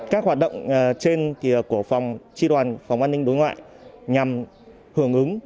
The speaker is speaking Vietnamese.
các hoạt động trên kia của phòng tri đoàn phòng an ninh đối ngoại nhằm hưởng ứng